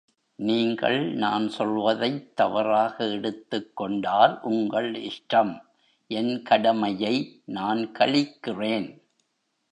நீங்கள் நான் சொல்வதைத் தவறாக எடுத்துக்கொண்டால், உங்கள் இஷ்டம், என் கடமையை நான் கழிக்கிறேன்.